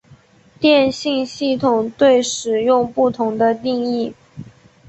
电信系统对使用不同的定义。